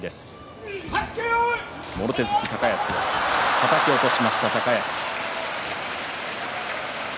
はたき落としました、高安。